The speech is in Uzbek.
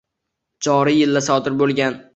Joriy yilda sodir bo‘lgan